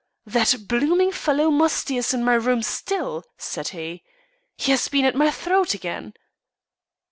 "That blooming fellow Musty is in my room still," said he. "He has been at my throat again."